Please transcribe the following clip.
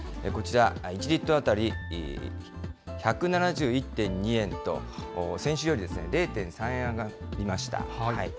こちら、１リットル当たり１７１．２円と、先週より０．３円上がりました。